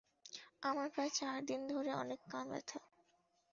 আমার প্রায় চার দিন ধরে অনেক কান ব্যথা।